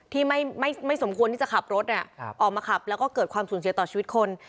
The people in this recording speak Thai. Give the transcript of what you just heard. ที่ไม่สมควรที่จะขับรถออกมาขับแล้วก็เกิดความสูญเสียต่อชีวิตคน